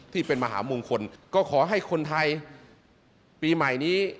ที่เป็นมหามงคลก็ขอให้คนไทยปีใหม่นี้